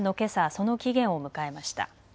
その期限を迎えました。